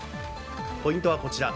ポイントはこちら。